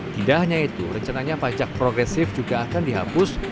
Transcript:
tidak hanya itu rencananya pajak progresif juga akan dihapus